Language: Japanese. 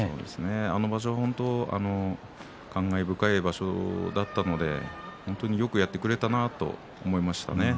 あの場所は本当に感慨深い場所だったので本当によくやってくれたなと思いましたね。